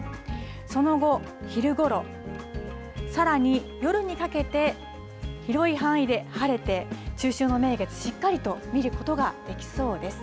その後、昼ごろさらに夜にかけて広い範囲で晴れて中秋の名月、しっかりと見ることができそうです。